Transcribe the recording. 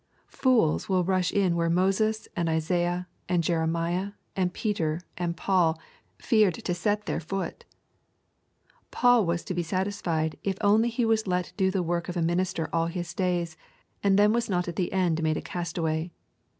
Fools will rush in where Moses and Isaiah and Jeremiah and Peter and Paul feared to set their foot. Paul was to be satisfied if only he was let do the work of a minister all his days and then was not at the end made a castaway.